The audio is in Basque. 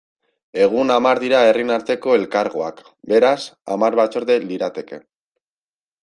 Egun hamar dira herrien arteko elkargoak, beraz, hamar batzorde lirateke.